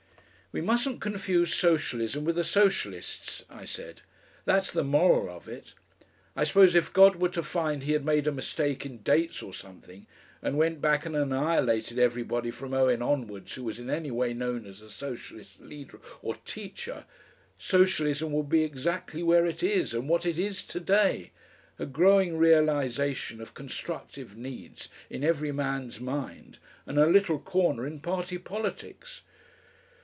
"We mustn't confuse Socialism with the Socialists," I said; "that's the moral of it. I suppose if God were to find He had made a mistake in dates or something, and went back and annihilated everybody from Owen onwards who was in any way known as a Socialist leader or teacher, Socialism would be exactly where it is and what it is to day a growing realisation of constructive needs in every man's mind, and a little corner in party politics.